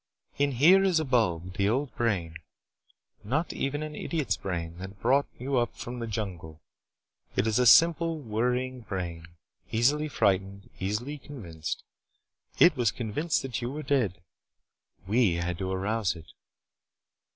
"In here is a bulb, the old brain, not even an idiot's brain, that brought you up from the jungle. It is a simple, worrying brain. Easily frightened. Easily convinced. It was convinced that you were dead. We had to arouse it."